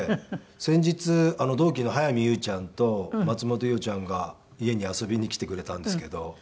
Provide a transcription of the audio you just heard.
先日同期の早見優ちゃんと松本伊代ちゃんが家に遊びに来てくれたんですけど。